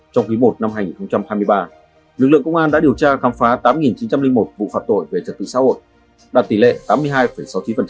trong quý i năm hai nghìn hai mươi ba lực lượng công an đã điều tra khám phá tám chín trăm linh một vụ phạm tội về trật tự xã hội đạt tỷ lệ tám mươi hai sáu mươi chín